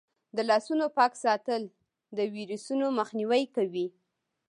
د لاسونو پاک ساتل د ویروسونو مخنیوی کوي.